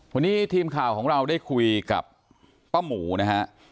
วันนี้ทีมข่าวของเราได้คุยกับป้าหมูนะฮะ